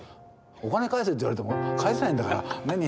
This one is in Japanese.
お金返せって言われても返せないんだからねっ。